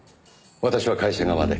私は会社側で。